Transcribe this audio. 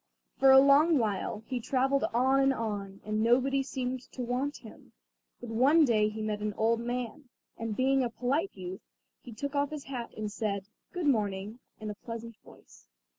For a long while he travelled on and on, and nobody seemed to want him; but one day he met an old man, and being a polite youth, he took off his hat and said: "Good morning," in a pleasant voice.